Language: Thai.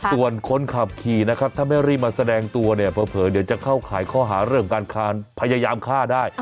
ส่วนคนขับขี่นะครับถ้าไม่รีบมาแสดงตัวเนี่ยเผลอเดี๋ยวจะเข้าขายข้อหาเรื่องการพยายามฆ่าได้